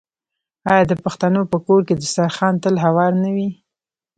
آیا د پښتنو په کور کې دسترخان تل هوار نه وي؟